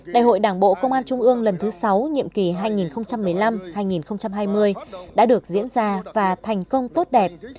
đại hội đảng bộ công an trung ương lần thứ sáu nhiệm kỳ hai nghìn một mươi năm hai nghìn hai mươi đã được diễn ra và thành công tốt đẹp